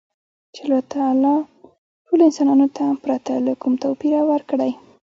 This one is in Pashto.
چـې اللـه تعـالا ټـولـو انسـانـانـو تـه ،پـرتـه لـه کـوم تـوپـيره ورکـړى.